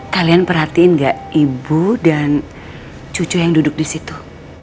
kalian perhatiin gak ibu dan cucu yang duduk disitu